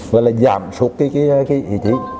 và là giảm sụt cái cái thí trí